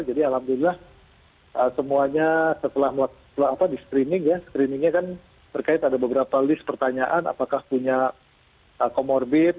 jadi alhamdulillah semuanya setelah di streaming ya streamingnya kan terkait ada beberapa list pertanyaan apakah punya komorbid